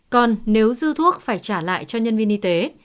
còn nếu dư thuốc phải trả lại cho nhân viên y tế